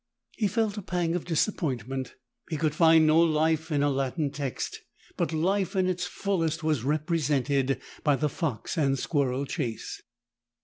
He felt a pang of disappointment. He could find no life in a Latin text, but life in its fullest was represented by the fox and squirrel chase.